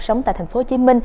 sống tại tp hcm